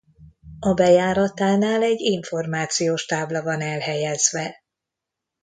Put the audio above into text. A bejáratánál egy információs tábla van elhelyezve.